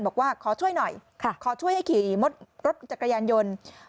บอกว่าขอช่วยให้ขี่หมดรถจักรยานยนต์